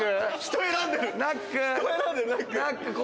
人、選んでる。